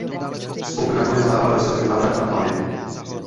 Spock nakonec dává rozkaz k návratu na planetu.